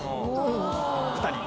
２人。